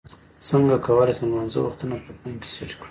څنګه کولی شم د لمانځه وختونه په فون کې سیټ کړم